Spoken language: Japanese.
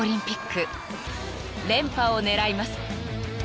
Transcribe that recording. ［連覇を狙います］